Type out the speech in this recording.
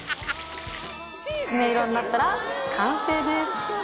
きつね色になったら完成です。